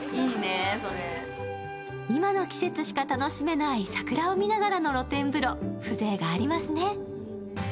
今の季節しか楽しめない桜を見ながらの露天風呂、風情がありますね。